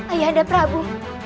ayah anda prabu